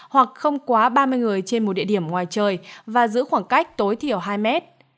hoặc không quá ba mươi người trên một địa điểm ngoài trời và giữ khoảng cách tối thiểu hai mét